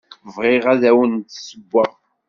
Bɣiɣ ad awen-d-ssewweɣ.